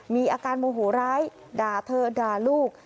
มีอาการโมโหร้ายด่าเธอด่าลูก